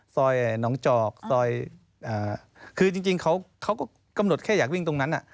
ซอยหนองจอกซอยคือจริงเขาก็กำหนดแค่อยากวิ่งตรงนั้น